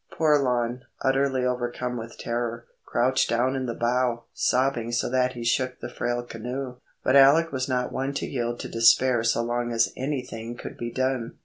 Poor Lon, utterly overcome with terror, crouched down in the bow, sobbing so that he shook the frail canoe. But Alec was not one to yield to despair so long as anything could be done.